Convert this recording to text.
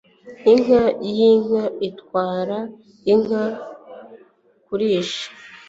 Inka yinka itwara inka kurisha.